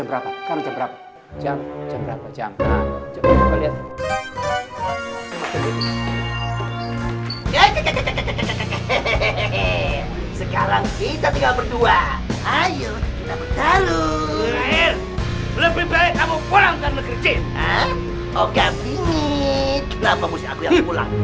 oh gapingi kenapa musik aku yang pulang